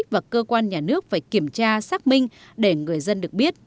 và cơ quan nhà nước phải kiểm tra xác minh để người dân được biết